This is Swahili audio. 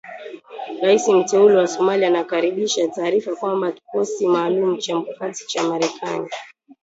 Rais mteule wa Somalia anakaribisha taarifa kwamba kikosi maalum cha mkakati cha Marekani